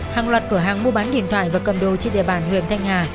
hàng loạt cửa hàng mua bán điện thoại và cầm đồ trên địa bàn huyện thanh hà